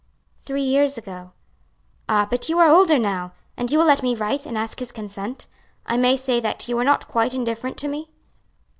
"Three years ago." "Ah! but you are older now; and you will let me write and ask his consent? I may say that you are not quite indifferent to me?"